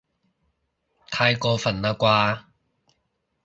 太過分喇啩